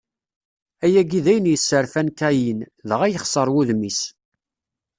Ayagi d ayen yesserfan Kayin, dɣa yexseṛ wudem-is.